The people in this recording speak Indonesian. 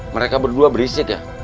mereka berdua berisik ya